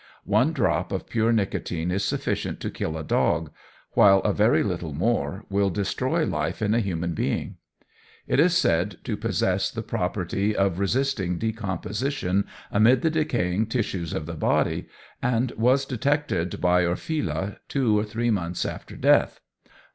One drop of pure nicotine is sufficient to kill a dog, while a very little more will destroy life in a human being. It is said to possess the property of resisting decomposition amid the decaying tissues of the body, and was detected by Orfila two or three months after death.